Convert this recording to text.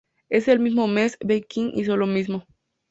En el mismo mes, Ben King hizo lo mismo.